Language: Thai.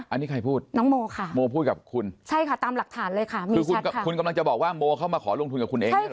อันนี้ใครพูดน้องโมค่ะโมพูดกับคุณใช่ค่ะตามหลักฐานเลยค่ะคือคุณคุณกำลังจะบอกว่าโมเข้ามาขอลงทุนกับคุณเองเหรอ